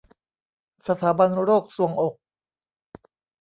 สถาบันโรคทรวงอก